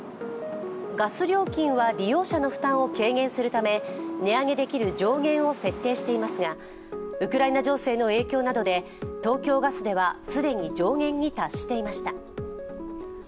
ガス料金は利用者の負担を軽減するため値上げできる上限を設定していますがウクライナ情勢の影響などで東京ガスでは既に上限に達していました。